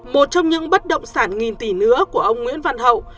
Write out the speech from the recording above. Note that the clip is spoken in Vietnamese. một trong những bất động sản nghìn tỷ nữa của ông nguyễn văn hậu